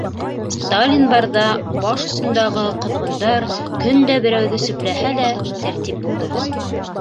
Сталин барҙа баш осондағы ҡоҙғондар көн дә берәүҙе сүпләһә лә, тәртип булды.